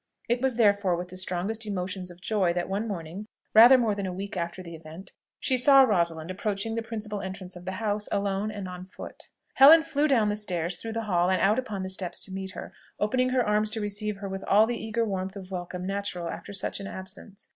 It was therefore with the strongest emotions of joy that one morning, rather more than a week after the event, she saw Rosalind approaching the principal entrance of the house, alone and on foot. Helen flew down stairs, through the hall, and out upon the steps to meet her, opening her arms to receive her with all the eager warmth of welcome natural after such an absence.